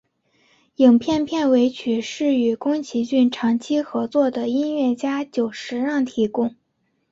影片片尾曲则是与宫崎骏长期合作的音乐家久石让提供。